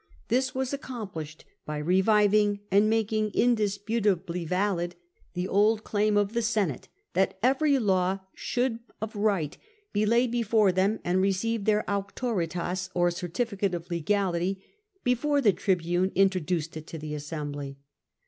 This was accomplished by reviving and making indisputably valid the old claim of the Senate that every law should of right be laid before them and receive their auctoritas, or certificate of legality, before the tribune introduced it to the assembly.